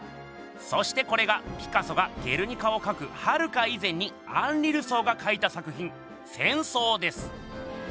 そしてこれがピカソが「ゲルニカ」をかくはるか以前にアンリ・ルソーがかいた作品「戦争」です！